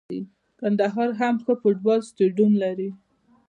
کندهار هم ښه فوټبال سټیډیم لري.